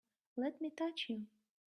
Let me touch you!